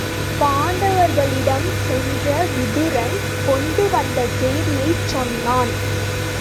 பாண்டவர்களிடம் சென்ற விதுரன் கொண்டு வந்த செய்தியைச் சொன்னான்.